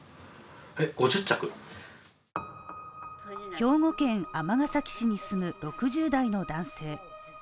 兵庫県尼崎市に住む６０代の男性。